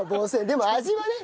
でも味はね。